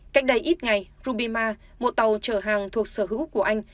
cách đây ít ngày rubima một tàu chở hàng thuộc sở hữu của anh